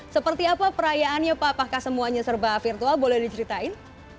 seperti apa perayaannya pak apakah semuanya serba virtual boleh diceritain